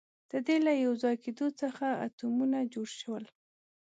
د دې له یوځای کېدو څخه اتمونه جوړ شول.